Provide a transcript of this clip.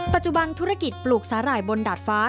ปัจจุบันธุรกิจปลูกสาหร่ายบนดาดฟ้า